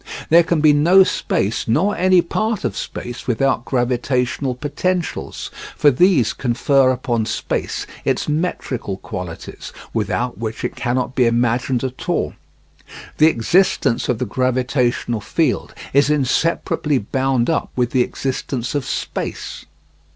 There can be no space nor any part of space without gravitational potentials; for these confer upon space its metrical qualities, without which it cannot be imagined at all. The existence of the gravitational field is inseparably bound up with the existence of space.